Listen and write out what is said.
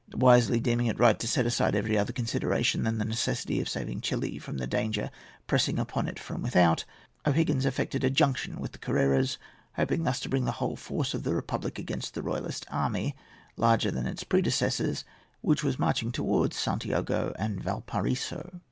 Wisely deeming it right to set aside every other consideration than the necessity of saving Chili from the danger pressing upon it from without, O'Higgins effected a junction with the Carreras, hoping thus to bring the whole force of the republic against the royalist army, larger than its predecessors, which was marching towards Santiago and Valparaiso.